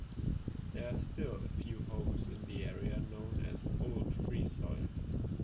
There are still a few homes in the area now known as "Old Freesoil".